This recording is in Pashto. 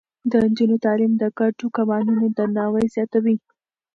د نجونو تعليم د ګډو قوانينو درناوی زياتوي.